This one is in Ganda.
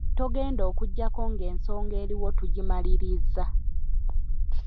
Togenda okuggyako ng'ensonga eriwo tugimalirizza